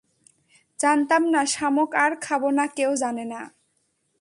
জানতাম না শামুক আর খাবোনা কেউ জানেনা।